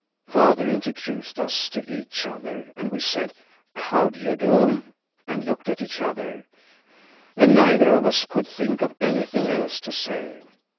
Father introduced us to each other, and we said, "How do you do?" and looked at each other, and neither of us could think of anything else to say.